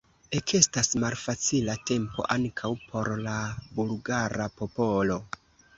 Ekestas malfacila tempo ankaŭ por la bulgara popolo.